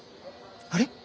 あれ？